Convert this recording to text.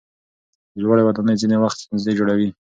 لوړې ودانۍ ځینې وخت ستونزې جوړوي.